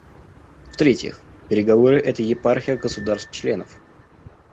В-третьих, переговоры — это епархия государств-членов.